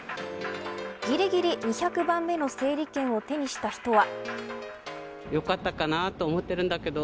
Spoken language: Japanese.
ぎりぎり２００番目の整理券を手にした人は。